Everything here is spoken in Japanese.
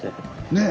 ねえ。